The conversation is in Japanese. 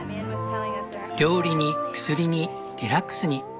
料理に薬にリラックスに。